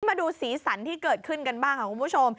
มาดูสีสันที่เกิดขึ้นกันบ้างค่ะคุณผู้ชม